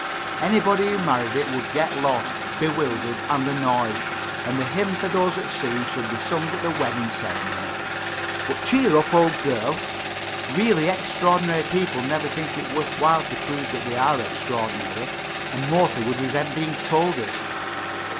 Anybody who married it would get lost, bewildered, and annoyed, and the hymn for those at sea should be sung at the wedding ceremony. But cheer up, old girl. Really extraordinary people never think it worth while to prove that they are extraordinary, and mostly would resent being told it.